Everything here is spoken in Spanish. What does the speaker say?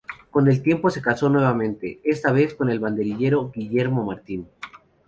Con el tiempo se casó nuevamente, esta vez, con el banderillero Guillermo Martín.